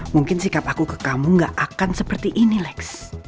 mungkin sikap aku ke kamu gak akan seperti ini lex